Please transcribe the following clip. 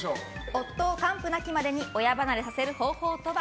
夫を完膚なきまでに親離れさせる方法とは？